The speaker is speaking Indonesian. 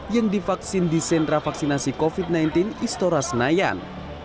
yang divaksin di sentra vaksinasi covid sembilan belas istora senayan